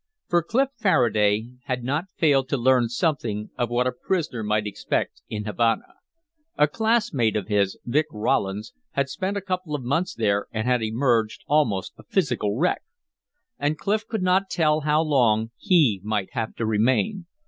For Clif Faraday had not failed to learn something of what a prisoner might expect in Havana. A classmate of his, Vic Rollins, had spent a couple of months there and had emerged almost a physical wreck. And Clif could not tell how long he might have to remain.